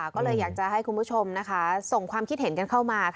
ก็เลยอยากจะให้คุณผู้ชมส่งความคิดเห็นกันเข้ามา